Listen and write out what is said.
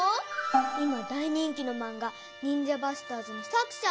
いまだいにんきのまんが「ニンジャ・バスターズ」のさくしゃ